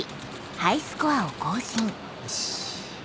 よし。